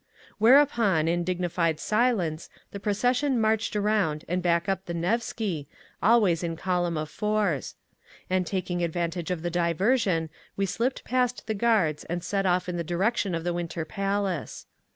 Whereupon, in dignified silence, the procession marched around and back up the Nevsky, always in column of fours. And taking advantage of the diversion we slipped past the guards and set off in the direction of the Winter Palace.